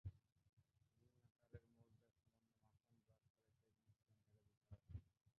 Ring আকারের মোল্ডে সামান্য মাখন ব্রাশ করে কেক মিশ্রণ ঢেলে দিতে হবে।